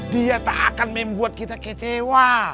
dia tak akan membuat kita kecewa